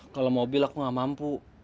kalau mobil aku nggak mampu